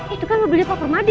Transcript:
itu kan mobilnya pak permadi